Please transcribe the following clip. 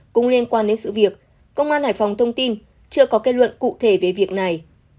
cũng liên quan đến sự việc công an hải phòng thông tin chưa có kết luận cụ thể về việc này